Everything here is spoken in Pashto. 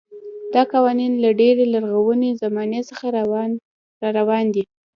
دا قوانین له ډېرې لرغونې زمانې څخه راروان دي.